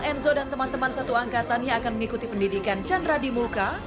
enzo dan teman teman satu angkatannya akan mengikuti pendidikan chandra di muka